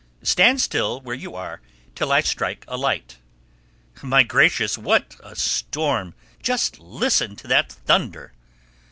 Stand still where you are till I strike a light. My Gracious, what a storm!—Just listen to that thunder!"